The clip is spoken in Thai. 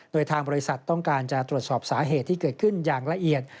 โดยทางบริษัทต้องการจะตรวจสอบสาเหตุที่เกิดขึ้นอย่างละเอียด